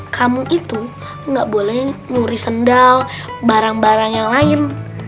kamu itu nggak boleh nyuri sendal barang barang yang lain